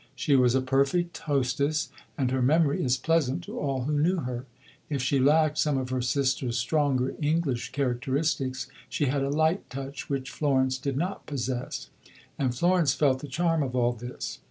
She was a perfect hostess, and her memory is pleasant to all who knew her. If she lacked some of her sister's stronger English characteristics, she had a light touch which Florence did not possess. And Florence felt the charm of all this.